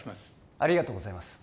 ありがとうございます